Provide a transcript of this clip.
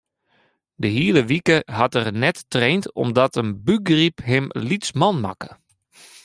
De hiele wike hat er net traind omdat in bûkgryp him lytsman makke.